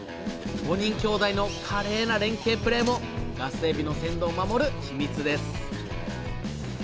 ５人兄弟の華麗な連携プレーもガスエビの鮮度を守る秘密です！